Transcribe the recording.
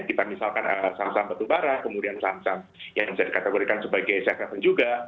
kita misalkan saham saham batubara kemudian saham saham yang bisa dikategorikan sebagai safe haven juga